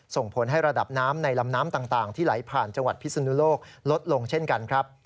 ส่งผลให้ระดับน้ำในลำน้ำต่างที่ไหลผ่านจังหวัดพิศนุโลกลดลงเช่นกันครับ